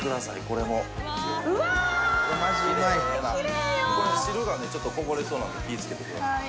この汁がねちょっとこぼれそうなんで気ぃ付けてください。